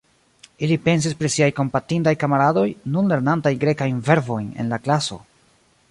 Ili pensis pri siaj kompatindaj kamaradoj, nun lernantaj grekajn verbojn en la klaso.